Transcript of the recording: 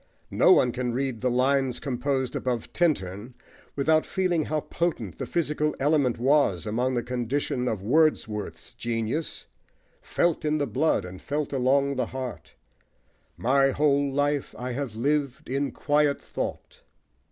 No one can read the Lines composed above Tintern without feeling how potent the physical element was among the conditions of Wordsworth's genius "felt in the blood and felt along the heart." My whole life I have lived in quiet thought!